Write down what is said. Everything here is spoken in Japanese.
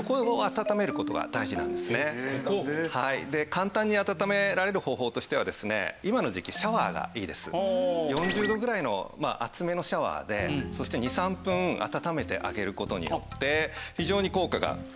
簡単に温められる方法としてはですね４０度ぐらいの熱めのシャワーでそして２３分温めてあげる事によって非常に効果があります。